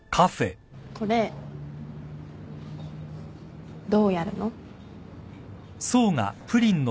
これどうやるの？